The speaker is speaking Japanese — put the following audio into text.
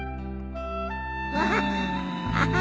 ああ。